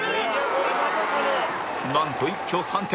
なんと一挙３点。